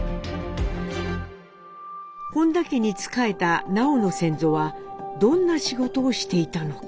本多家に仕えた南朋の先祖はどんな仕事をしていたのか。